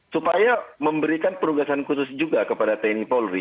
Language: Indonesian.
supaya memberikan perugasan khusus juga kepada tni polri